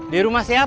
di rumah siapa